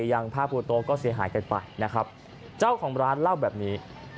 อย่างผ้าปูโต๊ะก็เสียหายกันไปนะครับเจ้าของร้านเล่าแบบนี้